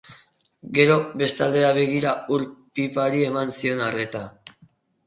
Gero, beste aldera begira, ur-pipari eman zion arreta.